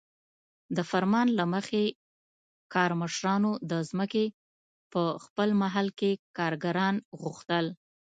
د فرمان له مخې کارمشرانو د ځمکې په خپل محل کې کارګران غوښتل.